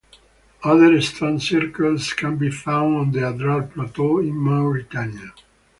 Other stone circles can be found on the Adrar Plateau in Mauritania.